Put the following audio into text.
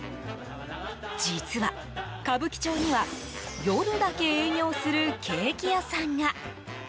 実は、歌舞伎町には夜だけ営業するケーキ屋さんが。